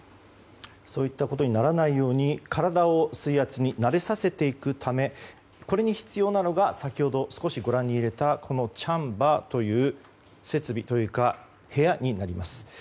そういったことにならないように、体を水圧に慣れさせていくためこれに必要なのが先ほど、少しご覧に入れたこのチャンバーという設備というか部屋になります。